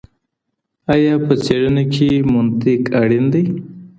ایا په څېړنه کي منطق اړین دئ؟